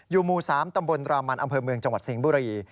หมู่๓ตำบลรามันอำเภอเมืองจังหวัดสิงห์บุรี